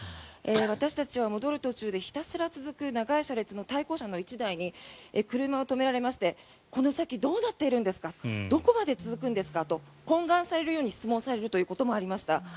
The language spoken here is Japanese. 私たちは戻る途中でひたすら続く長い車列の対向車の１台に車を止められましてこの先どうなっているんですかどこまで続くんですかと懇願されるように質問されるということもありました。